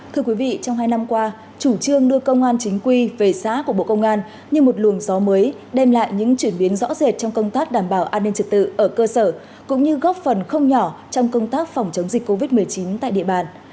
thưa quý vị trong hai năm qua chủ trương đưa công an chính quy về xã của bộ công an như một luồng gió mới đem lại những chuyển biến rõ rệt trong công tác đảm bảo an ninh trật tự ở cơ sở cũng như góp phần không nhỏ trong công tác phòng chống dịch covid một mươi chín tại địa bàn